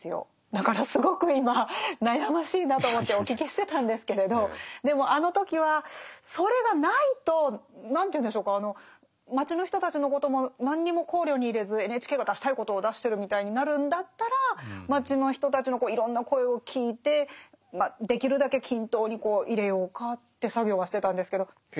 だからすごく今悩ましいなと思ってお聞きしてたんですけれどでもあの時はそれがないと何というんでしょうか街の人たちのことも何にも考慮に入れずＮＨＫが出したいことを出してるみたいになるんだったら街の人たちのいろんな声を聞いてできるだけ均等に入れようかって作業はしてたんですけど。